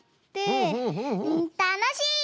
たのしい！